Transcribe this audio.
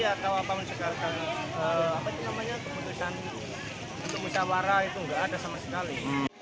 atau apa apa keputusan untuk musyawara itu tidak ada sama sekali